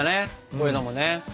こういうのもね。